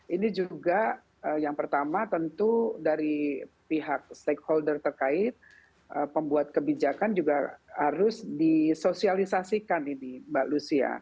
ini juga yang pertama tentu dari pihak stakeholder terkait pembuat kebijakan juga harus disosialisasikan ini mbak lucia